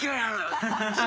ハハハハ！